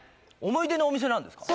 思い出のお店なんですか？